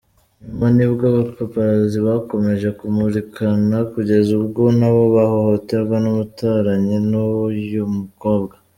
Nyuma nibwo abapaparazzi bakomeje kumukurikirana kugeza ubwo nabo bahohoterwa n'umuturanyi w'uyu mukobwa.